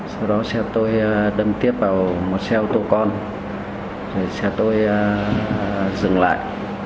sau đó xe tôi đâm tiếp vào một xe ô tô con xe tôi dừng lại